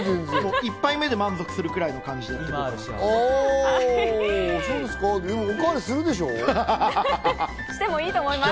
１杯目で満足するくらいの感じでいきます。